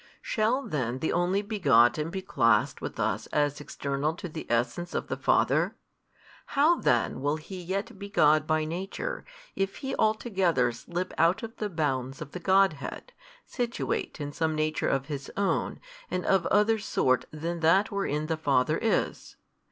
Shall then the Only Begotten be classed with us as external to the Essence of the Father? how then will He yet be God by Nature, if He altogether slip out of the bounds of the Godhead, situate in some nature of his own and of other sort than that wherein the Father is?